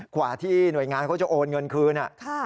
กว่าที่หน่วยงานเขาจะโอนเงินคืน